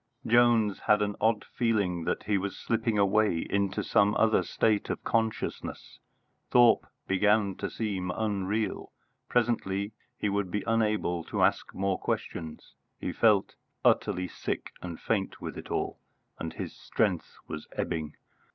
Jones had an odd feeling that he was slipping away into some other state of consciousness. Thorpe began to seem unreal. Presently he would be unable to ask more questions. He felt utterly sick and faint with it all, and his strength was ebbing.